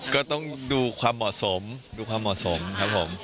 ก็ต้องดูความเหมาะสมดูความเหมาะสมครับผม